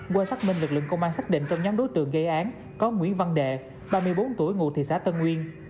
qua xác minh lực lượng công an xác định trong nhóm đối tượng gây án có nguyễn văn đệ ba mươi bốn tuổi ngụ thị xã tân nguyên